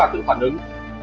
cho phản ứng